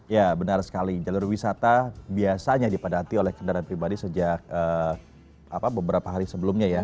ya benar sekali jalur wisata biasanya dipadati oleh kendaraan pribadi sejak beberapa hari sebelumnya ya